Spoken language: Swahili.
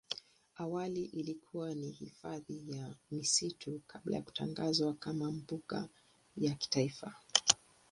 Awali ilikuwa ni hifadhi ya misitu kabla ya kutangazwa kama mbuga ya kitaifa.